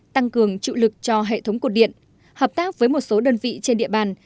tăng cường chịu lực cho hệ thống cột điện hợp tác với một số đơn vị trên địa bàn